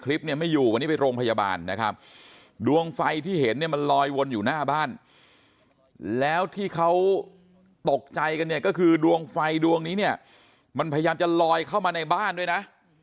คลิปเนี่ยไม่อยู่วันนี้ไปโรงพยาบาลนะครับดวงไฟที่เห็นเนี่ยมันลอยวนอยู่หน้าบ้านแล้วที่เขาตกใจกันเนี่ยก็คือดวงไฟดวงนี้เนี่ยมันพยายามจะลอยเข้ามาในบ้านด้วยนะ